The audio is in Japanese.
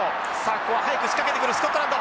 ここは早く仕掛けてくるスコットランド。